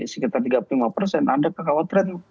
sekitar tiga puluh lima persen ada kekhawatiran